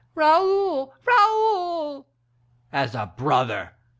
"Raoul, Raoul!" "As a brother!